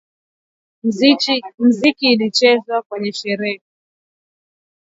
Mziki ilichezwa kwenye sherehe.